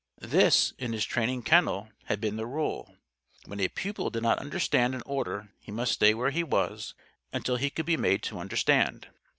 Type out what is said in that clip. This, in his training kennel, had been the rule. When a pupil did not understand an order he must stay where he was until he could be made to understand.